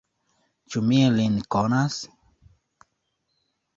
Ĉu mi lin konas?